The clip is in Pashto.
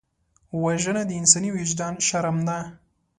وژنه د انساني وجدان شرم ده